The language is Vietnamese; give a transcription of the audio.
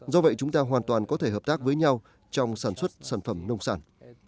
do vậy chúng ta hoàn toàn có thể hợp tác với nhau trong sản xuất sản phẩm nông sản